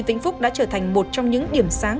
vĩnh phúc đã trở thành một trong những điểm sáng